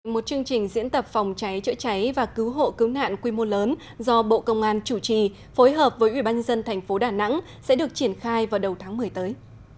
một chương trình diễn tập phòng cháy chữa cháy và cứu hộ cứu nạn quy mô lớn do bộ công an chủ trì phối hợp với ủy ban nhân dân thành phố đà nẵng sẽ được triển khai vào đầu tháng một mươi tới